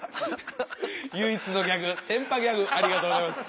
唯一のギャグ天パギャグありがとうございます。